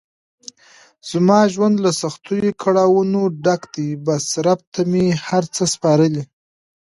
زما ژوند له سختو کړاونو ډګ ده بس رب ته مې هر څه سپارلی.